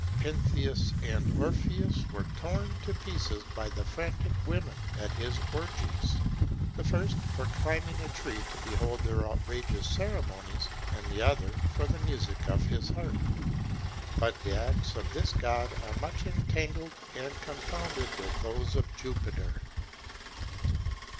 Pentheus and Orpheus were torn to pieces by the frantic women at his orgies; the first for climbing a tree to behold their outrageous ceremonies, and the other for the music of his harp. But the acts of this god are much entangled and confounded with those of Jupiter.